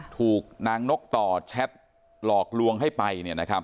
ถูกนางนกต่อแชทหลอกลวงให้ไป